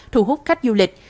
thu hút khách du lịch